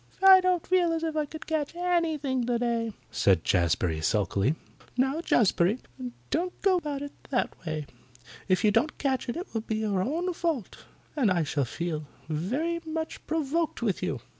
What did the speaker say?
"I don't feel as if I could catch anything today," said Jazbury sulkily. "Now, Jazbury, don't go about it that way. If you don't catch it, it will be your own fault, and I shall feel very much provoked with you."